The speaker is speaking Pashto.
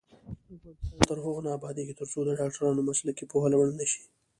افغانستان تر هغو نه ابادیږي، ترڅو د ډاکټرانو مسلکي پوهه لوړه نشي.